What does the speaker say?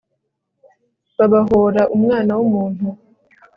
babahora umwana w umuntu